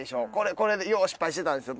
これでよう失敗してたんですよ。